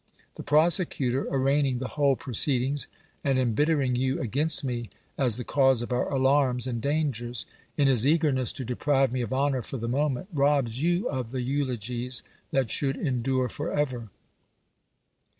The prosecutor, ar raigning the whole x^roceedings, and embittering you against me as the cause of our alarms and dangers, in his eagerness to deprive me of honor for the moment, robs you of the eulogies that should endure for ever.